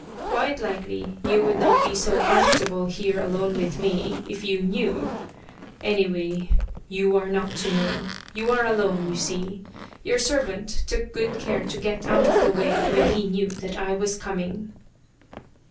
Quite likely you would not be so comfortable here alone with me if you knew. Anyway, you are not to know. You are alone, you see. Your servant took good care to get out of the way when he knew that I was coming."